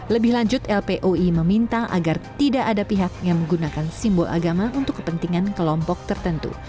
lebih lanjut lpoi meminta agar tidak ada pihak yang menggunakan simbol agama untuk kepentingan kelompok tertentu